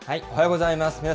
おはようございます。